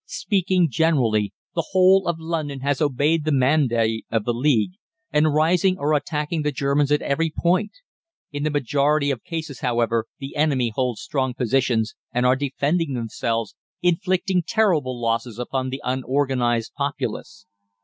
"Speaking generally, the whole of London has obeyed the mandate of the League, and, rising, are attacking the Germans at every point. In the majority of cases, however, the enemy hold strong positions, and are defending themselves, inflicting terrible losses upon the unorganised populace.